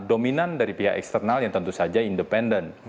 dominan dari pihak eksternal yang tentu saja independen